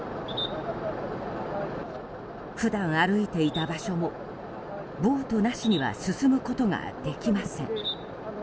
普段、歩いていた場所もボートなしには進むことができません。